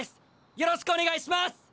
よろしくお願いします！